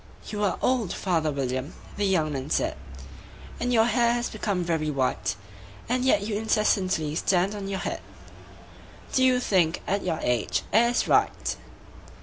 "YOU are old, father William," the young man said, "And your hair has become very white; And yet you incessantly stand on your head Do you think, at your age, it is right?